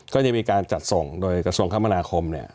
ก็จะมีการจัดส่งโดยกระทรวงคมนาคมเนี่ย